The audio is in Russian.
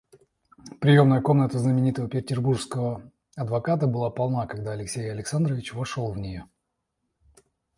Приемная комната знаменитого петербургского адвоката была полна, когда Алексей Александрович вошел в нее.